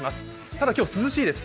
ただ、今日涼しいです。